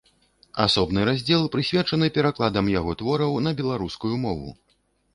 Асобны раздзел прысвечаны перакладам яго твораў на беларускую мову.